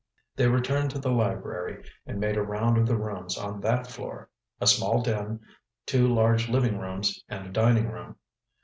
They returned to the library, and made a round of the rooms on that floor; a small den, two large living rooms, and a dining room.